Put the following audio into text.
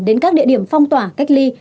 đến các địa điểm phong tỏa cách ly